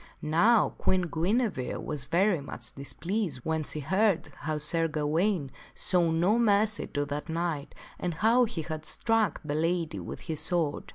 Now, Queen Guinevere was very much displeased when she heard how Sir Gawaine would show no mercy to that knight and how he had struck the lady with his sword.